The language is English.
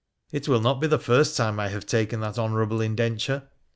' It will not be the first time I have taken that honourable indenture.'